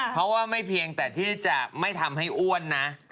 เพราะว่าไม่เพียงแต่ที่จะไม่ทำให้อ้วนนะ